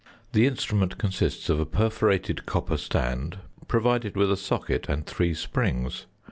The instrument consists of a perforated copper stand, provided with a socket and three springs.